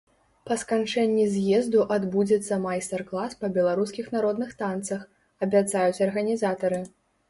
Па сканчэнні з'езду адбудзецца майстар-клас па беларускіх народных танцах, абяцаюць арганізатары.